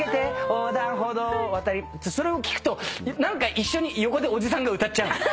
それを聞くと何か一緒に横でおじさんが歌っちゃう。